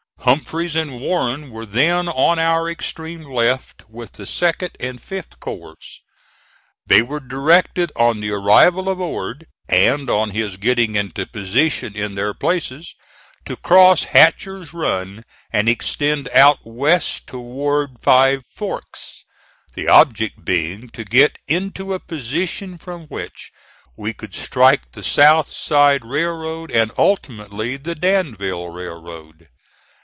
Humphreys and Warren were then on our extreme left with the 2d and 5th corps. They were directed on the arrival of Ord, and on his getting into position in their places, to cross Hatcher's Run and extend out west toward Five Forks, the object being to get into a position from which we could strike the South Side Railroad and ultimately the Danville Railroad.